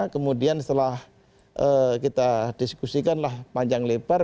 kemudian setelah kita diskusikanlah panjang lebar